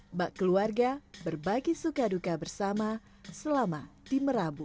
mbak keluarga berbagi suka duka bersama selama di merabu